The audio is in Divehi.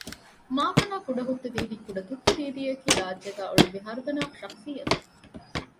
މާކަނާ ކުޑަހުއްތު ދީދީ ކުޑަތުއްތު ދީދީ އަކީ ރާއްޖޭގައި އުޅުއްވި ހަރުދަނާ ޝަޚުޞިއްޔަތެއް